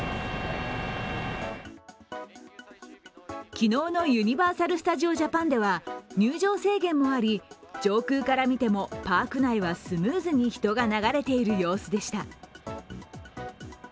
昨日のユニバーサル・スタジオ・ジャパンでは入場制限もあり、上空から見てもパーク内はスムーズに人が流れている様子でした。